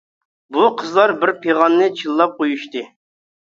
بۇ قىزلار بىر پىغاننى چىللاپ قويۇشتى.